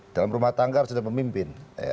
dalam rumah tangga harus ada pemimpin